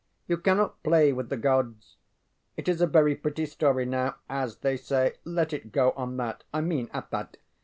You cannot play with the Gods. It is a very pretty story now. As they say, Let it go on that I mean at that.